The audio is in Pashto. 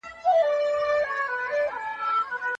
تاسي باید د خپلو سترګو د ستړیا لپاره ارام وکړئ.